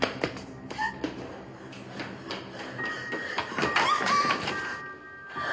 あっ。